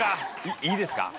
いいですか？